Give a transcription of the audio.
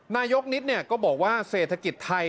นายกนิดก็บอกว่าเศรษฐกิจไทย